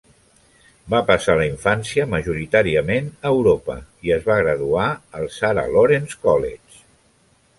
Va passar la infància majoritàriament a Europa i es va graduar al Sarah Lawrence College.